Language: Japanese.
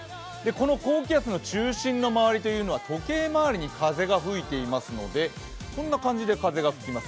この高気圧の中心の周りというのは時計回りに風が吹いていますのでこんな感じで風が吹きます。